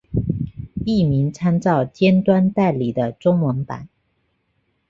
译名参照尖端代理的中文版。